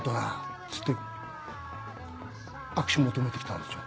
っつって握手求めてきたんですよ。